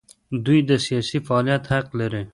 دوی د سیاسي فعالیت حق لري.